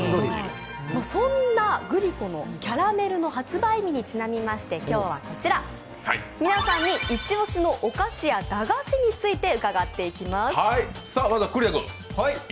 そんなグリコのキャラメルの発売日にちなみまして、今日はこちら、皆さんにイチオシのお菓子や駄菓子について伺っていきます。